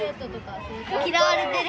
嫌われてる。